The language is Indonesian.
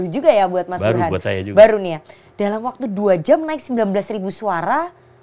dua jam naik sembilan belas ribu suara